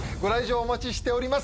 お待ちしております